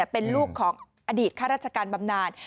เป็นลูกของอดีตข้าราชการบำนาน